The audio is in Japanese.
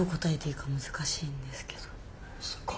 そっか。